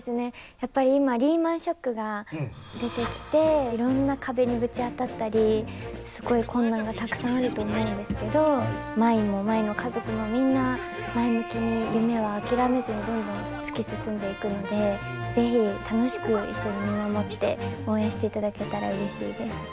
やっぱり今リーマンショックが出てきていろんな壁にぶち当たったりすごい困難がたくさんあると思うんですけど舞も舞の家族もみんな前向きに夢を諦めずにどんどん突き進んでいくので是非楽しく一緒に見守って応援していただけたらうれしいです。